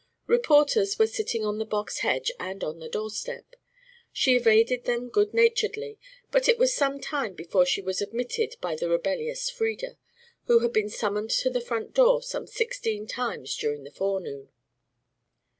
Reporters were sitting on the box hedge and on the doorstep. She evaded them good naturedly, but it was some time before she was admitted by the rebellious Frieda, who had been summoned to the front door some sixteen times during the forenoon.